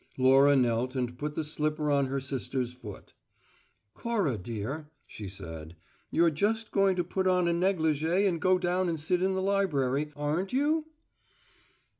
Laura knelt and put the slipper on her sister's foot. "Cora, dear," she said, "you're just going to put on a negligee and go down and sit in the library, aren't you?"